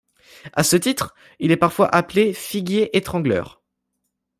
À ce titre, il est parfois appelé figuier étrangleur.